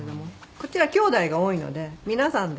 こっちはきょうだいが多いので皆さんで。